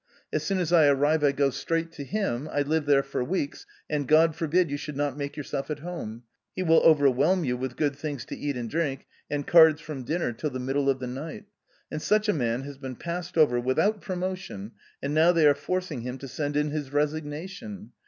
As soon as I arrive I go straight to him, I live there for weeks, and God forbid you should not make yourself at home ; he will overwhelm you with good things to eat and drink, and cards from dinner till the middle of the night. And such a man has been passed over, without promotion, and now they are forcing him to send in his resignation.